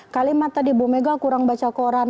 kalimat tadi bu mega kurang baca koran